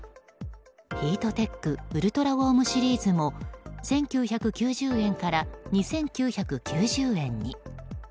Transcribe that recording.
ヒートテックウルトラウォームシリーズも１９９０円から２９９０円に。